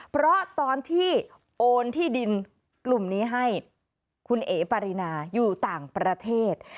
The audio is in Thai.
เพราะตอนที่โอนที่ดินกลุ่มนี้ให้คุณเอ๋ปารีนาอยู่ต่างประเทศ